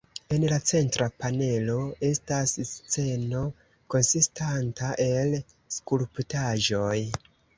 En la centra panelo estas sceno konsistanta el skulptaĵoj.